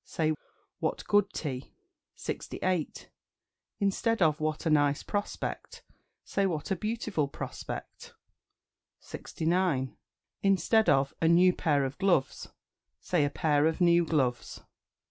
say "What good tea!" 68. Instead of "What a nice prospect!" say "What a beautiful prospect!" 69. Instead of "A new pair of gloves," say "A pair of new gloves."